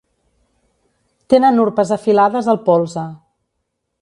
Tenen urpes afilades al polze.